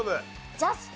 ジャスト。